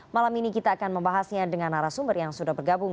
malam ini kita akan membahasnya dengan arah sumber yang sudah bergabung